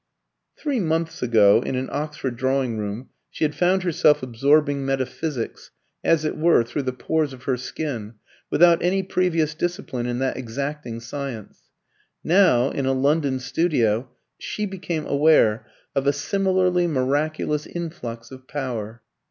Three months ago, in an Oxford drawing room, she had found herself absorbing metaphysics, as it were through the pores of her skin, without any previous discipline in that exacting science; now, in a London studio, she became aware of a similarly miraculous influx of power.